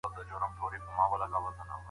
لوڼو او خوندو ته ضروري تعليم ورکړئ